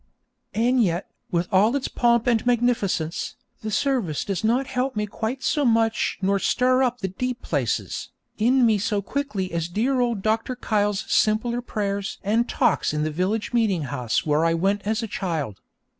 And yet, with all its pomp and magnificence, the service does not help me quite so much nor stir up the deep places, in me so quickly as dear old Dr. Kyle's simpler prayers and talks in the village meeting house where I went as a child.